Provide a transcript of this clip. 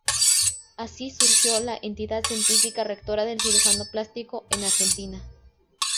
Así surgió la entidad científica rectora del cirujano plástico en Argentina.